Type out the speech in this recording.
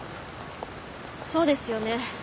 そうですよね。